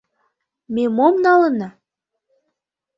— Ме мом налына?